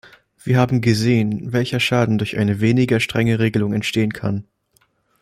Wir haben gesehen, welcher Schaden durch eine weniger strenge Regelung entstehen kann.